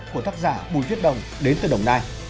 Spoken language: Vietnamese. của tác giả bùi viết đồng đến từ đồng nai